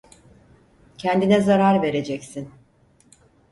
Kendine zarar vereceksin.